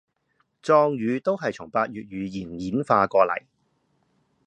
壯語都係從百越語言演化過禮